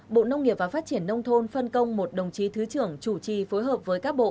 bộ nông nghiệp và phát triển nông thôn phân công một đồng chí thứ trưởng chủ trì phối hợp với các bộ